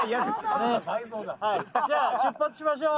ねっじゃあ出発しましょう